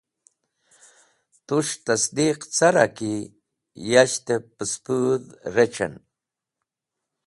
Tus̃h tasdiq cara ki yashtẽb pẽspodh rec̃hẽn?